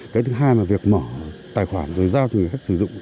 cái thứ hai là việc mở tài khoản rồi giao cho người khác sử dụng